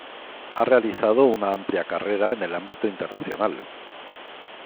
Ha realizado una amplia carrera en el ámbito internacional.